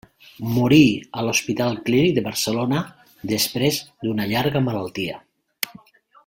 Morí a l'Hospital Clínic de Barcelona després d'una llarga malaltia.